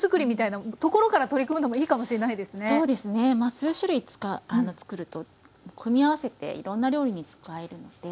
数種類作ると組み合わせていろんな料理に使えるので。